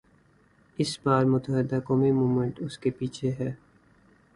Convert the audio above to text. اس بار متحدہ قومی موومنٹ اس کے پیچھے ہے۔